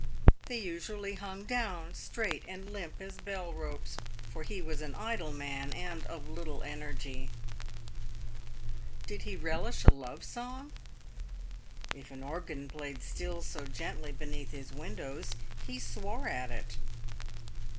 they usually hung down straight and limp as bellropes, for he was an idle man, and of little energy. Did he relish a love song ? If an organ played " Still so gently" beneath his windows, he swore at it.